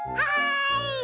はい！